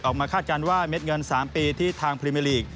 คาดการณ์ว่าเม็ดเงิน๓ปีที่ทางพรีเมอร์ลีก